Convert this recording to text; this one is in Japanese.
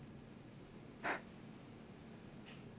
フッ。